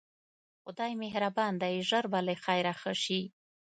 خدای مهربان دی ژر به له خیره ښه شې.